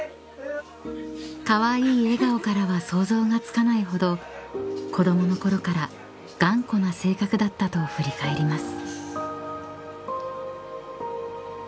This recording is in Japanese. ［カワイイ笑顔からは想像がつかないほど子供の頃から頑固な性格だったと振り返ります］